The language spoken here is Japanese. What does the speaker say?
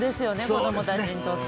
子供たちにとっても。